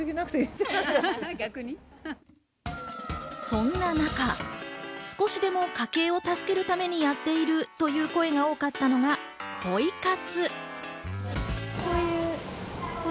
そんな中、少しでも家計を助けるためにやっているという声が多かったのがポイ活。